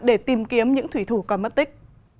để tìm kiếm những thủy thủ còn mất tích